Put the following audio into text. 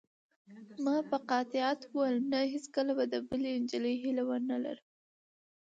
ما په قاطعیت وویل: نه، هیڅکله به د بلې نجلۍ هیله ونه لرم.